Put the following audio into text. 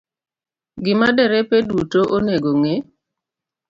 Gima derepe duto onego ong'e